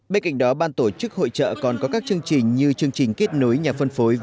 bên cạnh đó ban tổ chức hội trợ còn có các chương trình như chương trình kết nối nhà phân phối